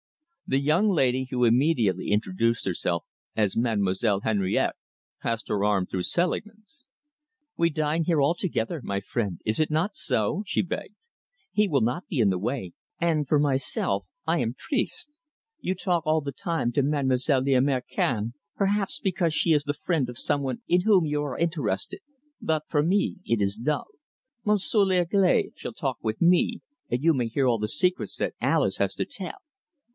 The young lady, who immediately introduced herself as Mademoiselle Henriette, passed her arm through Selingman's. "We dine here all together, my friend, is it not so?" she begged. "He will not be in the way, and for myself, I am triste. You talk all the time to Mademoiselle l'Américaine, perhaps because she is the friend of some one in whom you are interested. But for me, it is dull. Monsieur l'Anglais shall talk with me, and you may hear all the secrets that Alice has to tell.